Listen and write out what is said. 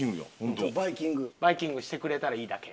バイキングしてくれたらいいだけ。